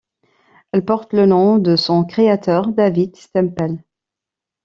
Elle porte le nom de son créateur, David Stempel.